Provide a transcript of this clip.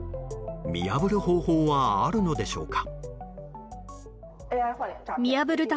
見破る方法はあるのでしょうか。